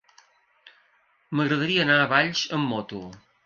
M'agradaria anar a Valls amb moto.